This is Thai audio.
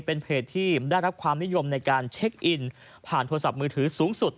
เป็นเพจที่ได้รับความนิยมในการเช็คอินผ่านโทรศัพท์มือถือสูงสุด